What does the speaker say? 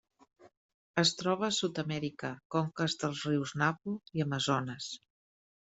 Es troba a Sud-amèrica: conques dels rius Napo i Amazones.